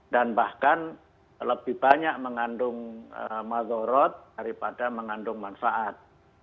dan bahkan lebih banyak mengandung mazorot daripada mengandung manfaat